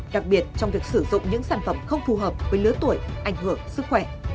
đặc biệt trong việc sử dụng những sản phẩm không phù hợp với lứa tuổi ảnh hưởng sức khỏe